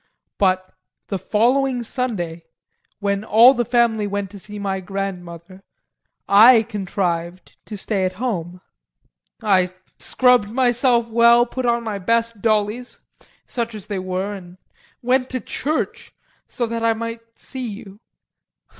But the following Sunday when all the family went to visit my grandmother I contrived to stay at home; I scrubbed myself well, put on my best clothes, such as they were, and went to church so that I might see you.